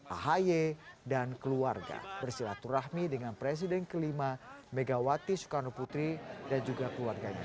ahi dan keluarga bersilatur rahmi dengan presiden ke lima megawati soekarno putri dan juga keluarganya